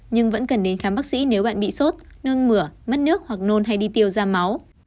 nhưng vẫn cần đến khám bác sĩ nếu bạn bị sốt nương mửa mất nước hoặc nôn hay đi tiêu ra máu